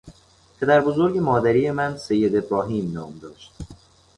پدربزرگ مادری من سید ابراهیم نام داشت.